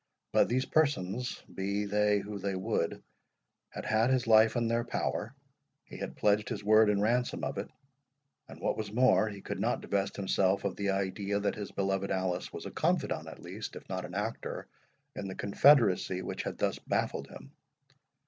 But these persons, be they who they would, had had his life in their power—he had pledged his word in ransom of it—and what was more, he could not divest himself of the idea that his beloved Alice was a confidant, at least, if not an actor, in the confederacy which had thus baffled him.